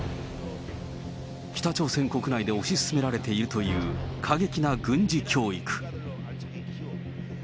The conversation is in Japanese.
北朝鮮国内で推し進められているという過激な軍事教育。